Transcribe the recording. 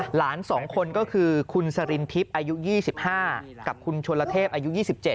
๒คนก็คือคุณสรินทิพย์อายุ๒๕กับคุณชนละเทพอายุ๒๗